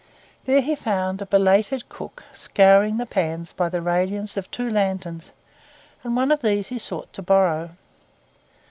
There he found a belated cook scouring pans by the radiance of two lanterns, and one of these he sought to borrow.